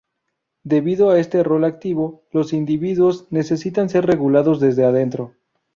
Debido a este rol activo, los individuos necesitan ser regulados desde adentro.